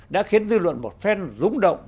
đã khiến dư luận một phen rúng động